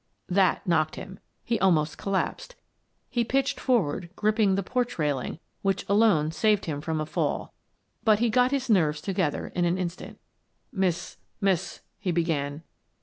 That knocked him. He almost collapsed. He pitched forward, gripping the porch railing, which alone saved him from a fall. But he had got his nerves together in an instant " Miss — Miss —" he began.